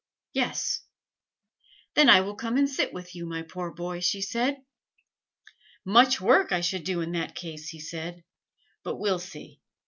"Yes." "Then I will come and sit with you, my poor boy," she said. "Much work I should do in that case!" he said. "But we'll see.